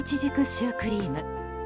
シュークリーム。